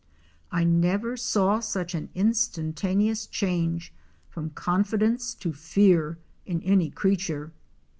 I never saw such an instantaneous change from confidence to fear in any creature.